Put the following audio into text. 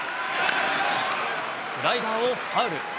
スライダーをファウル。